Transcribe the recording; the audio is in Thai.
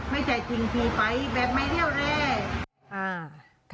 ไม่ใช่ทิ้งพี่ไปแบบไม่เลี่ยวแรก